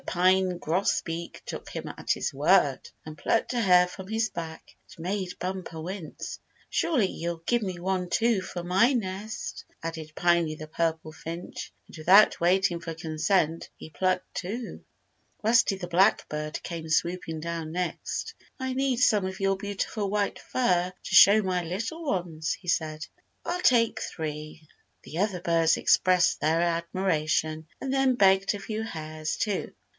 Pine Grosbeak took him at his word, and plucked a hair from his back. It made Bumper wince. "Surely you'll give me one, too, for my nest," added Piney the Purple Finch, and without waiting for consent he plucked two. Rusty the Blackbird came swooping down next. "I need some of your beautiful white fur to show my little ones," he said. "I'll take three." The other birds expressed their admiration, and then begged a few hairs, too.